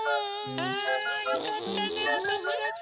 あよかったねおともだち？